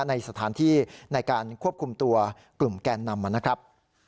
ในสถานที่ในการควบคุมตัวกลุ่มแกนนำนะครับ